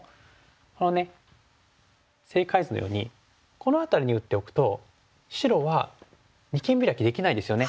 この正解図のようにこの辺りに打っておくと白は二間ビラキできないですよね。